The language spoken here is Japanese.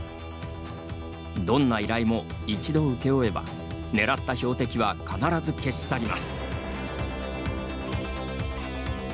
どんな依頼も、一度請け負えば狙った標的は必ず消し去ります。